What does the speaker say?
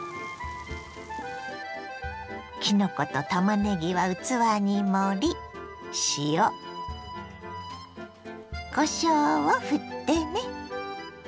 きのことたまねぎは器に盛り塩こしょうをふってね。